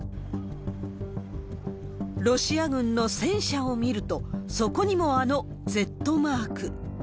ロシア軍の戦車を見ると、そこにもあのＺマーク。